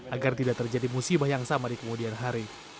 agar tidak terjadi musibah yang sama di kemudian hari